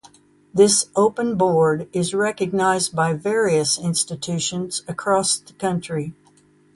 This open board is recognized by various institutions across the country.